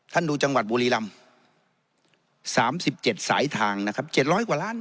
ดูจังหวัดบุรีรำ๓๗สายทางนะครับ๗๐๐กว่าล้าน